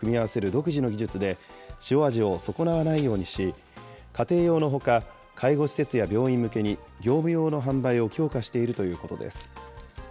独自の技術で塩味を損なわないようにし、家庭用のほか、介護施設や病院向けに、業務用の販売を強化しているということです。